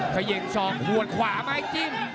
เขยิงส่องงวดขวาไหมจริง